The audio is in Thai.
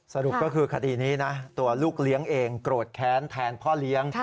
สรุปก็คือคดีนี้นะตัวลูกเลี้ยงเองโกรธแค้นแทนพ่อเลี้ยง